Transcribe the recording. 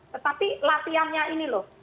tetapi latihannya ini loh